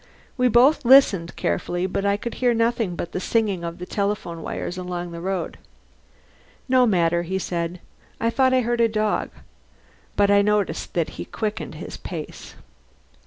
We both listened carefully, but I could hear nothing but the singing of the telephone wires along the road. "No matter," he said. "I thought I heard a dog." But I noticed that he quickened his pace.